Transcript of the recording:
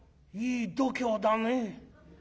いい度胸だね。